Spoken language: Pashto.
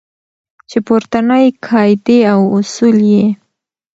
چې پورتنۍ قاعدې او اصول یې